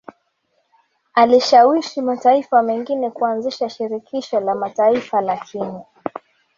alishawishi mataifa mengine kuanzisha Shirikisho la Mataifa lakini